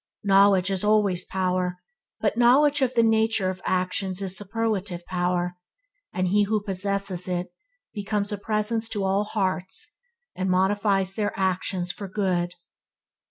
Knowledge is always power, but knowledge of the nature of actions is superlative power, and he who possesses it becomes a Presence to all hearts, and modifies their actions for good.